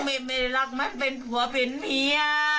แม่ไม่ได้รักมันเป็นผัวเป็นเมีย